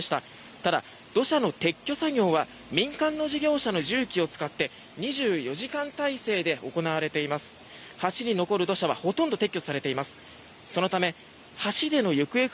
ただ、土砂の撤去作業は民間の事業者の重機を使って２４時間態勢で行われています。